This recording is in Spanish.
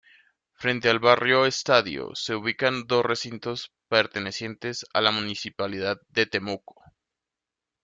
Frente al barrio Estadio, se ubican dos recintos pertenecientes a la Municipalidad de Temuco.